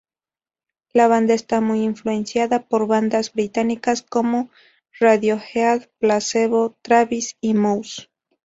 La banda está muy influenciada por bandas británicas como Radiohead, Placebo, Travis y Muse.